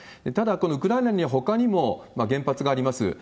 ただ、このウクライナにはほかにも原発があります。